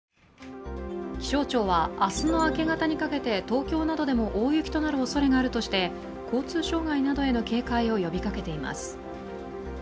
気象庁は明日の明け方にかけて東京などでも大雪となるおそれがあるとして、交通障害などへの警戒を呼びかけています。